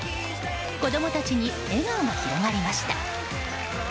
子供たちに笑顔が広がりました。